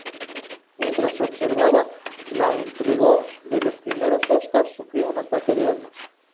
Mientras observaba la entrega de los Premios Oscar, sufrió un ataque de asma.